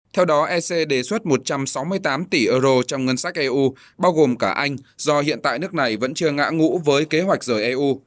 theo đó ec đề xuất một trăm sáu mươi tám tỷ euro trong ngân sách eu bao gồm cả anh do hiện tại nước này vẫn chưa ngã ngũ với kế hoạch rời eu